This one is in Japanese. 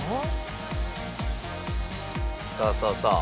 さあさあさあ。